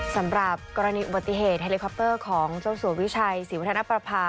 สำหรับกรณีอุบัติเหตุเฮลิคอปเตอร์ของเจ้าสัววิชัยศรีวัฒนประภา